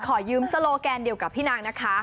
ขอยืมโซโลแกนเดียวกับพี่นางนะคะ